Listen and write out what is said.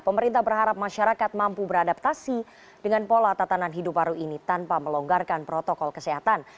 pemerintah berharap masyarakat mampu beradaptasi dengan pola tatanan hidup baru ini tanpa melonggarkan protokol kesehatan